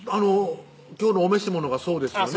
今日のお召し物がそうですよね